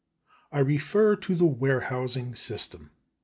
I refer to the warehousing system.